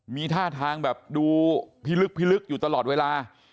มีท่าทางแบบดูพิลึกพิลึกอยู่ตลอดเวลา